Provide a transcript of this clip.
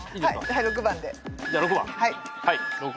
はい６番で。